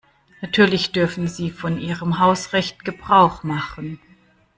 Natürlich dürfen Sie von Ihrem Hausrecht Gebrauch machen.